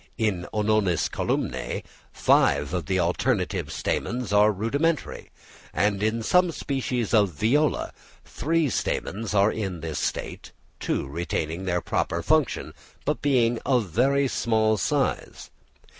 In Ononis columnæ five of the alternate stamens are rudimentary; and in some species of Viola three stamens are in this state, two retaining their proper function, but being of very small size.